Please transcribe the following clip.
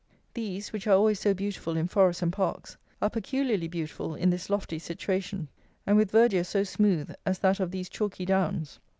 These, which are always so beautiful in forests and parks, are peculiarly beautiful in this lofty situation and with verdure so smooth as that of these chalky downs.